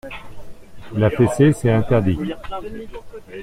La fessée c'est interdit.